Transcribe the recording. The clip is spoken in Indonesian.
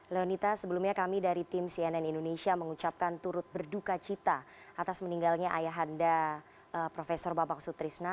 leonita sebelumnya kami dari tim cnn indonesia mengucapkan turut berduka cita atas meninggalnya ayahanda prof babak sutrisna